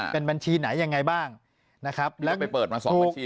ปากกับภาคภูมิ